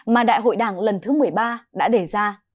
mà đại hội đảng lần thứ một mươi ba đã đề ra